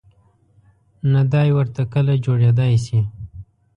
نه دای ورته کله جوړېدای شي.